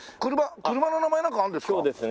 車車の名前なんかあるんですか？